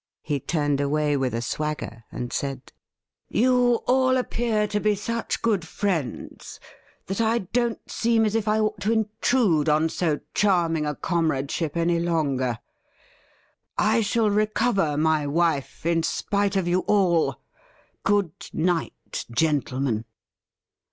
He turned away with a swagger, and said : 'You all appear to be such good friends that I don't seem as if I ought to intrude on so charming a comradeship any longer. I shall recover my wife in spite of you all. Good night, gentlemen